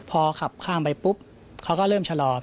พอขับข้ามไปปุ๊บเขาก็เริ่มชะลอ